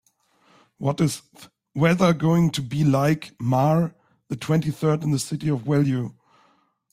What is th weather going to be like mar. the twenty-third in the city of Value